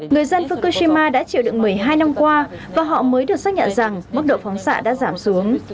người dân fukushima đã chịu đựng một mươi hai năm qua và họ mới được xác nhận rằng mức độ phóng xạ đã giảm xuống